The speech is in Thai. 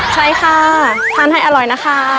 ใช่ค่ะทานให้อร่อยนะคะ